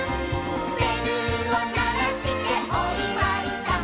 「べるをならしておいわいだ」